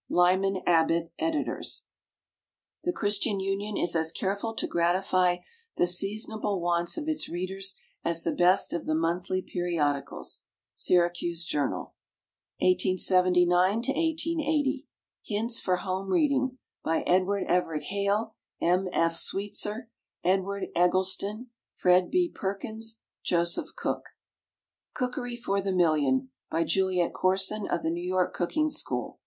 _ LYMAN ABBOTT, }"The Christian Union is as careful to gratify the seasonable wants of its readers as the best of the monthly periodicals." Syracuse Journal. 1879 80. HINTS FOR HOME READING, BY EDW. EVERETT HALE, M. F. SWEETSER, EDWARD EGGLESTON, FRED. B. PERKINS, JOSEPH COOK. COOKERY FOR THE MILLION. By JULIET CORSON, of the N. Y. Cooking School.